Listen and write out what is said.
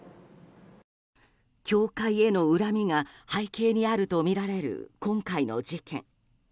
教会への恨みが背景にあるとみられる今回の事件。